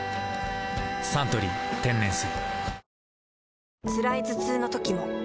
「サントリー天然水」